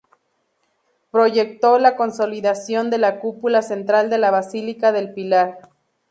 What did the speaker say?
Proyectó la consolidación de la cúpula central de la Basílica del Pilar.